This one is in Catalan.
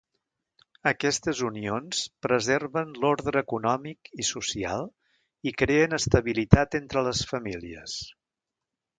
Aquestes unions preserven l'ordre econòmic i social i creen estabilitat entre les famílies.